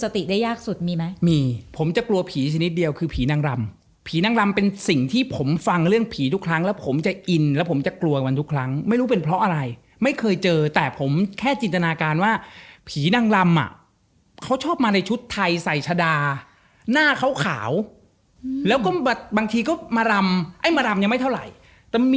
แต่ผมเป็นยุคบุกเบิกในการไปตะลุยบ้านผี